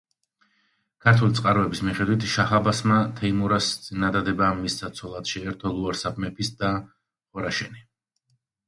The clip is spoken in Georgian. ქართული წყაროების მიხედვით, შაჰ-აბასმა თეიმურაზს წინადადება მისცა ცოლად შეერთო ლუარსაბ მეფის და ხორეშანი.